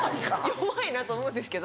弱いなと思うんですけど。